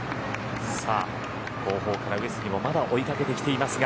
後方から上杉もまだ追いかけてきていますが。